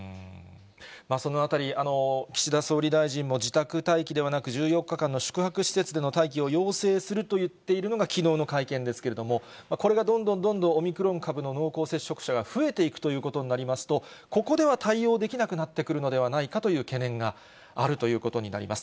そのあたり、岸田総理大臣も自宅待機ではなく、１４日間の宿泊施設での待機を要請すると言っているのがきのうの会見ですけれども、これがどんどんどんどん、オミクロン株の濃厚接触者が増えていくということになりますと、ここでは対応できなくなってくるのではないかという懸念があるということになります。